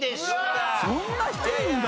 そんな低いんだ。